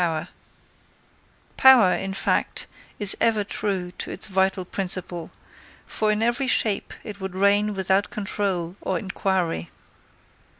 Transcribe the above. Power, in fact, is ever true to its vital principle, for in every shape it would reign without controul or inquiry.